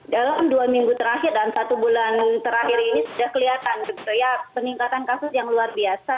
dalam dua minggu terakhir dan satu bulan terakhir ini sudah kelihatan peningkatan kasus yang luar biasa